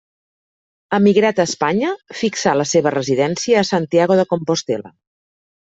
Emigrat a Espanya, fixà la seva residència a Santiago de Compostel·la.